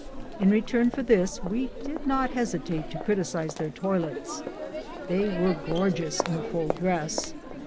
In return for this we did not hesitate to criticise their toilets. They were gorgeous in full dress.